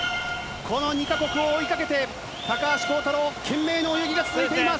この２か国を追いかけて高橋航太郎、懸命の泳ぎが続いています。